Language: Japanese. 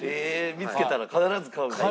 見付けたら必ず買うぐらい？